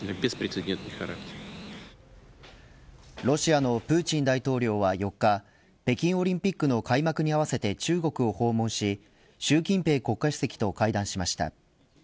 ロシアのプーチン大統領は４日北京オリンピックの開幕に合わせて中国を訪問し習近平国家主席と会談しました。